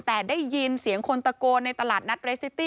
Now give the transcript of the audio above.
แต่ได้ยินเสียงคนตะโกนในตลาดนัดเรสซิตี้